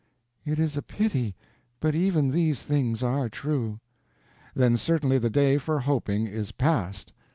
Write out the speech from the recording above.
"It is a pity, but even these things are true." "Then certainly the day for hoping is past."